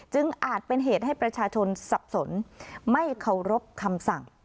อาจเป็นเหตุให้ประชาชนสับสนไม่เคารพคำสั่ง